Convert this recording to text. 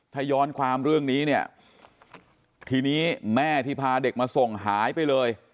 ถ้าย้อนความเรื่องนี้เนี่ยทีนี้แม่ที่พาเด็กมาส่งหายไปเลย